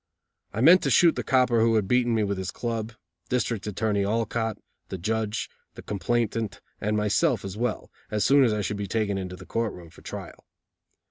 I meant to shoot the copper who had beaten me with his club, District Attorney Olcott, the judge, the complainant and myself as well, as soon as I should be taken into the court room for trial.